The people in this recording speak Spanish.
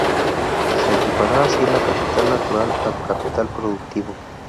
Se equipara así el capital natural al capital productivo.